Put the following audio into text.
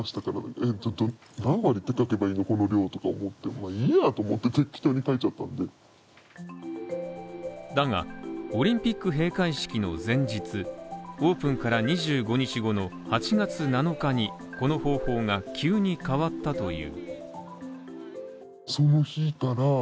さらに、選手村の食堂で働いていたスタッフもだが、オリンピック閉会式の前日、オープンから２５日後の８月７日にこの方法が急に変わったという。